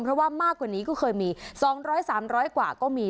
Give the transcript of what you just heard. เพราะว่ามากกว่านี้ก็เคยมีสองร้อยสามร้อยกว่าก็มี